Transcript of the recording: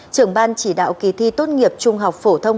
trưởng ban chỉ đạo kỳ thi tốt nghiệp trung học phổ thông